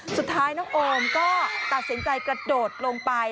สุดท้ายน้องโอมก็ตัดสินใจกระโดดลงไป